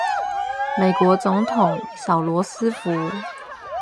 美國總統小羅斯福